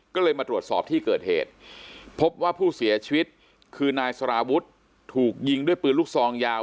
ก็เลยมาตรวจสอบที่เกิดเหตุพบว่าผู้เสียชีวิตคือนายสารวุฒิถูกยิงด้วยปืนลูกซองยาว